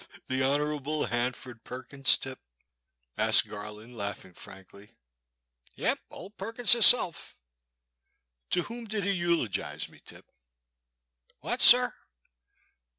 "The Hon. Hanford Perkins, Tip?" asked Garland, laughing frankly. " Yep, ole Perkins hisself." '* To whom did he eulogize me. Tip ?" "What, sir?"